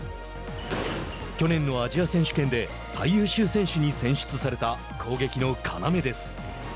去年のアジア選手権で最優秀選手に選出された攻撃の要です。